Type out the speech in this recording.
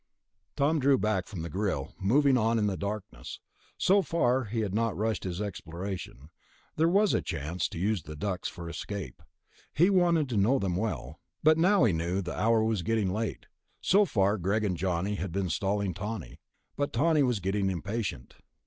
Tom drew back from the grill, moving on in the darkness. So far he had not rushed his exploration ... there was a chance to use the ducts for escape, he wanted to know them well. But now he knew the hour was getting late. So far Greg and Johnny had been stalling Tawney ... but Tawney was getting impatient.